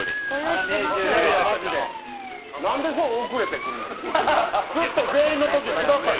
何でそう、遅れてくんのよ。